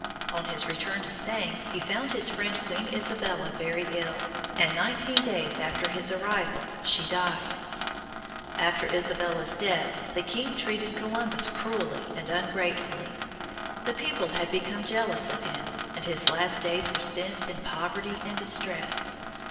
On his return to Spain he found his friend Queen Isabella very ill, and nineteen days after his arrival she died. After Isabella's death the king treated Columbus cruelly and ungratefully. The people had become jealous of him, and his last days were spent in poverty and distress.